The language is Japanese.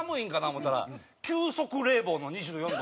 思うたら急速冷房の２４度。